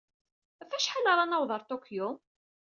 Ɣef wacḥal ara naweḍ ɣer Tokyo?